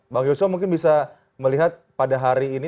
bang joshua mungkin bisa melihat pada hari ini